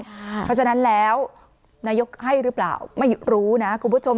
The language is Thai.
เพราะฉะนั้นแล้วนายกให้หรือเปล่าไม่รู้นะคุณผู้ชม